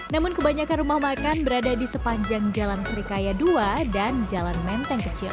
namun kebanyakan rumah makan berada di sepanjang jalan serikaya dua dan jalan menteng kecil